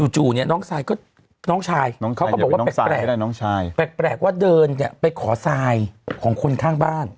เนี่ยน้องชายเขาก็บอกว่าแปลกแปลกว่าเดินเนี่ยไปขอทรายของคนข้างบ้าน